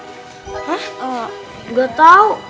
ehm gak tau